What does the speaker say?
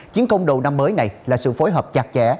chiến công đầu năm mới này là sự phối hợp chặt chẽ